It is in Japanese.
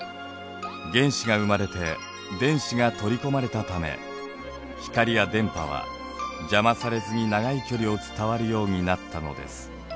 原子が生まれて電子が取り込まれたため光や電波は邪魔されずに長い距離を伝わるようになったのです。